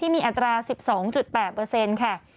เป็น๒๒๘